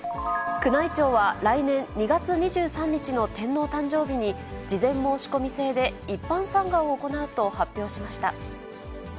宮内庁は来年２月２３日の天皇誕生日に、事前申し込み制で、一般参賀を行うと発表しました。